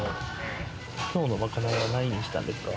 きょうのまかないは何にしたんですか？